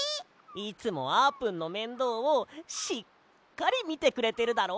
いつもあーぷんのめんどうをしっかりみてくれてるだろ？